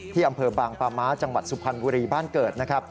ที่อำเภอบางปลาม้าจังหวัดสุพรรณบุรีบ้านเกิด